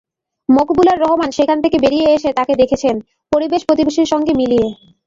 মকবুলার রহমান সেখান থেকে বেরিয়ে এসে তাঁকে দেখেছেন, পরিবেশ প্রতিবেশের সঙ্গে মিলিয়ে।